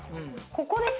ここです。